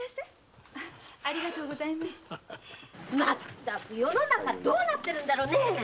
全く世の中どうなってるんだろうね。